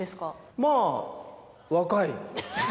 まあ、若い。